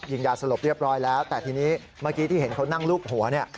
ยาสลบเรียบร้อยแล้วแต่ทีนี้เมื่อกี้ที่เห็นเขานั่งลูบหัวเนี่ย